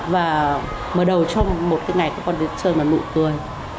và mở đầu trong một cái ngày con đẹp trời mà nụ cười